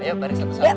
ayo baris satu satu